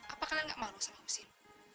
apa kalian gak marah sama husin